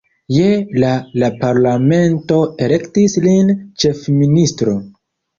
Je la la parlamento elektis lin ĉefministro.